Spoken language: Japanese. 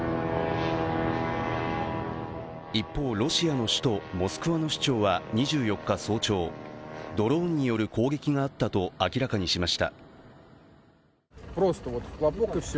一方、ロシアの首都・モスクワの市長は２４日早朝、ドローンによる攻撃があったと明らかにしました。